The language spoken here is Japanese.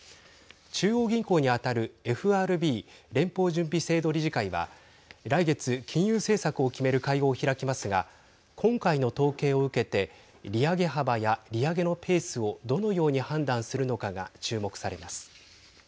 中央銀行に当たるＦＲＢ＝連邦準備制度理事会は来月、金融政策を決める会合を開きますが今回の統計を受けて利上げ幅や利上げのペースをどのように判断するのかが注目されます。